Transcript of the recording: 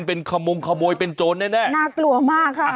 เป็นขมงขโมยเป็นโจรแน่น่ากลัวมากค่ะ